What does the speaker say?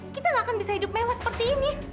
kita gak akan bisa hidup mewah seperti ini